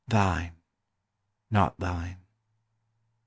Thine, not thine.